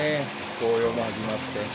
紅葉も始まって。